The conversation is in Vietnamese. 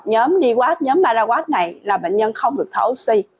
tấm di quát nhóm paraquat này là bệnh nhân không được thở oxy